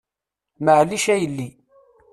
Maɛlic a yelli.